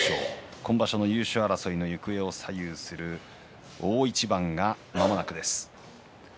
今場所の優勝争いの行方を左右する大一番がまもなくです。